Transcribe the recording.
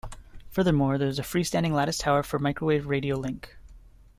Furthermore there is a free standing lattice tower for microwave radio link.